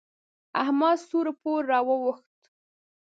احمد سوړ پوړ را واوښت.